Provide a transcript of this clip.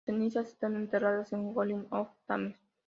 Sus cenizas están enterradas en Goring-on-Thames.